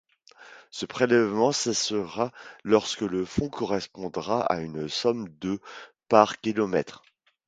Ce prélèvement cessera lorsque le fonds correspondra à une somme de par kilomètre.